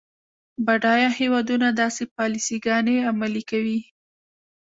بډایه هیوادونه داسې پالیسي ګانې عملي کوي.